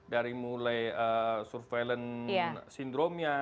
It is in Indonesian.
dari mulai surveillance sindromnya